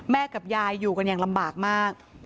กับยายอยู่กันอย่างลำบากมาก